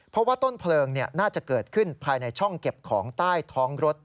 เพราะว่าต้นเพลิงน่าจะเกิดขึ้นภายในช่องเก็บของใต้ท้องรถ